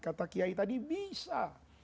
kata kiai tadi bisa